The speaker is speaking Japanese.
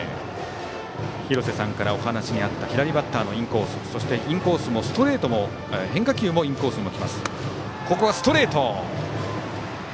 廣瀬さんからお話にあった左バッターのインコースそしてインコースもストレートも変化球もインコースに来ます。